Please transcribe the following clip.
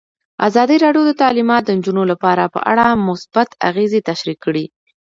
ازادي راډیو د تعلیمات د نجونو لپاره په اړه مثبت اغېزې تشریح کړي.